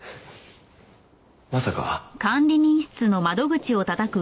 まさか？